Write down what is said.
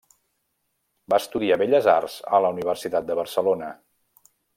Va estudiar belles arts a la Universitat de Barcelona.